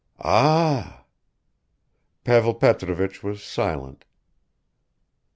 "Ah!" Pavel Petrovich was silent.